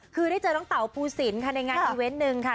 คือได้เจอน้องเต๋าปูสินค่ะในงานอีเวนต์หนึ่งค่ะ